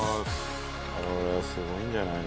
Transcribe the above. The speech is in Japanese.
ああすごいんじゃないの？